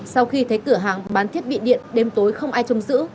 sau khi thấy cửa hàng bán thiết bị điện đêm tối không ai trông giữ